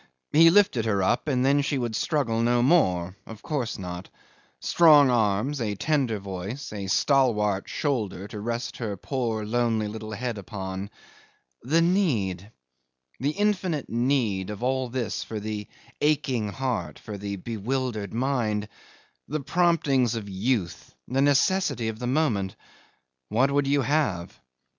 He lifted her up, and then she would struggle no more. Of course not. Strong arms, a tender voice, a stalwart shoulder to rest her poor lonely little head upon. The need the infinite need of all this for the aching heart, for the bewildered mind; the promptings of youth the necessity of the moment. What would you have?